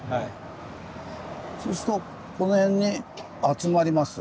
そうするとこの辺に集まります。